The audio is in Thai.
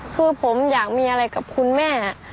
คือผมอยากมีอะไรกับคุณแม่